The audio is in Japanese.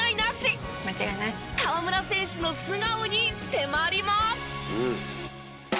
河村選手の素顔に迫ります。